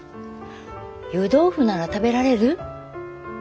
湯豆腐なら食べられる？